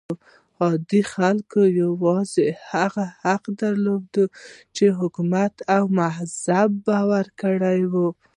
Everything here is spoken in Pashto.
عادي خلک یوازې هغه حقوق درلودل چې حکومت او مذهب یې ورکړي.